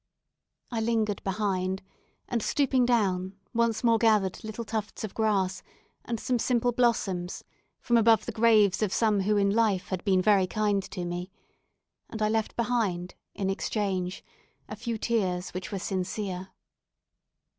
I lingered behind, and stooping down, once more gathered little tufts of grass, and some simple blossoms from above the graves of some who in life had been very kind to me, and I left behind, in exchange, a few tears which were sincere.